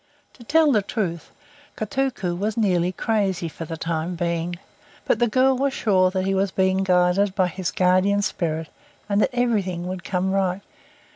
To tell the truth, Kotuko was very nearly crazy for the time being; but the girl was sure that he was being guided by his guardian spirit, and that everything would come right.